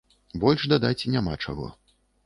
Больш дадаць няма чаго.